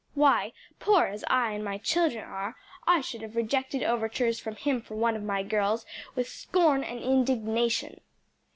Why, poor as I and my children are, I should have rejected overtures from him for one of my girls with scorn and indignation."